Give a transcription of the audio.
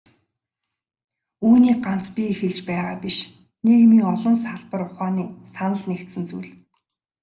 Үүнийг ганц би хэлж байгаа биш, нийгмийн олон салбар ухааны санал нэгдсэн зүйл.